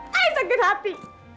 saya seger hati